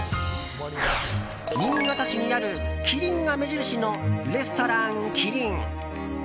新潟市にある、キリンが目印のレストランキリン。